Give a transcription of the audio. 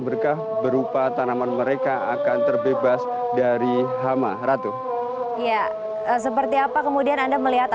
berkah berupa tanaman mereka akan terbebas dari hama ratu ya seperti apa kemudian anda melihat